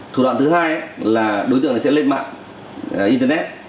thủ đoạn thứ hai là đối tượng này sẽ lên mạng internet